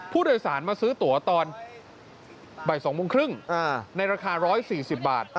ผู้โดยสารมาซื้อตัวตอนบ่าย๒โมงครึ่งในราคา๑๔๐บาท